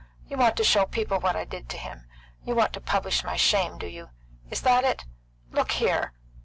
You want to show people what I did to him? You want to publish my shame, do you? Is that it? Look here!"